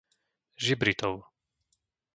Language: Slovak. Žibritov